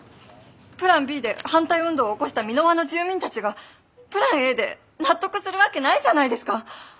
プランＢで反対運動を起こした美ノ和の住民たちがプランＡで納得するわけないじゃないですか！